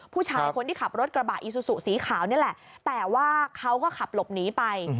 ผู้ชายคนที่ขับรถกระบะอีซูซูสีขาวนี่แหละแต่ว่าเขาก็ขับหลบหนีไป